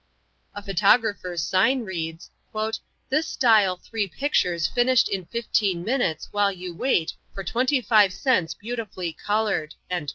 A photographer's sign reads: "This style 3 pictures finished in fifteen minutes while you wait for twenty five cents beautifully colored."